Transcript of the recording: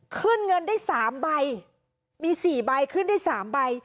ขึ้นเงินได้สามใบมีสี่ใบขึ้นได้สามใบ